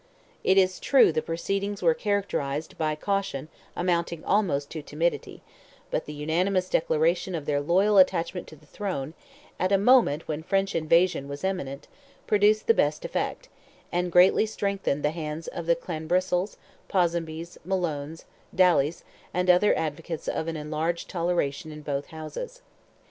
It is true the proceedings were characterized by caution amounting almost to timidity, but the unanimous declaration of their loyal attachment to the throne, at a moment when French invasion was imminent, produced the best effect, and greatly strengthened the hands of the Clanbrassils, Ponsonbys, Malones, Dalys, and other advocates of an enlarged toleration in both Houses.